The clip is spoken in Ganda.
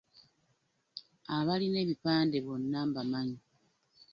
Abalina ebipande bonna mbamanyi.